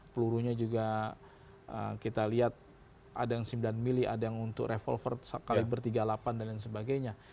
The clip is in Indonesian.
pelurunya juga kita lihat ada yang sembilan mili ada yang untuk revolver sekali bertiga lapan dan sebagainya